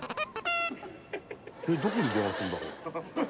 どこに電話するんだろう？